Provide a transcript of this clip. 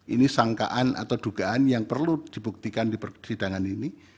ini sangkaan atau dugaan yang perlu dibuktikan di persidangan ini